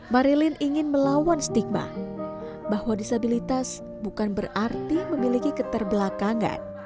marilin ingin melawan stigma bahwa disabilitas bukan berarti memiliki keterbelakangan